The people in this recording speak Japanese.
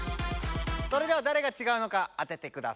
それではだれがちがうのか当ててください。